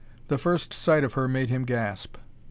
The first sight of her made him gasp.